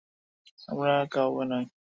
আমরা কাউবয় নই।